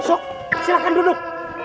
sok silahkan duduk